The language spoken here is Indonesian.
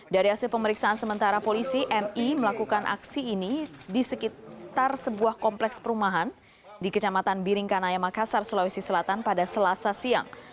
dari hasil pemeriksaan sementara polisi mi melakukan aksi ini di sekitar sebuah kompleks perumahan di kecamatan biringkanaya makassar sulawesi selatan pada selasa siang